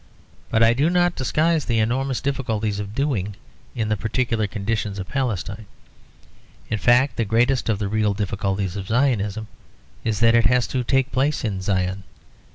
But I do not disguise the enormous difficulties of doing it in the particular conditions Of Palestine. In fact the greatest of the real difficulties of Zionism is that it has to take place in Zion.